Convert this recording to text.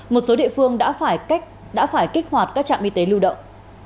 một số địa phương đã phải kích hoạt các trạm y tế lưu động